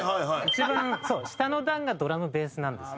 一番下の段がドラムベースなんですよ。